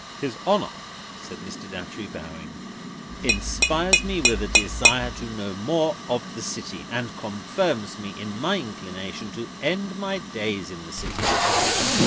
"His Honour," said Mr. Datchery, bowing, "inspires me with a desire to know more of the city, and confirms me in my inclination to end my days in the city."